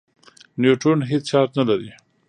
نیوټرون هېڅ چارج نه لري.